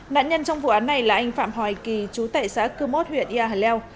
nạn nhân trong vụ án này là anh phạm hoài kỳ chú tệ xã cư mốt huyện yà leo